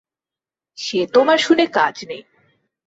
সে তোমার শুনে কাজ নেই।